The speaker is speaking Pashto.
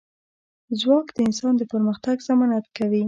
ځواک د انسان د پرمختګ ضمانت کوي.